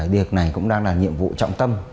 điều này cũng đang là nhiệm vụ trọng tâm